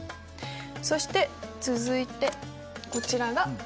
そして続いてこちらがイラン。